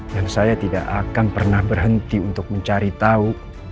dan saya tidak akan pernah berhenti untuk mencari tau